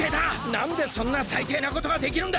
なんでそんなさいていなことができるんだ！